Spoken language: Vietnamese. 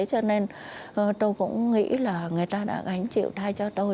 cho nên tôi cũng nghĩ là người ta đã gánh chịu thay cho tôi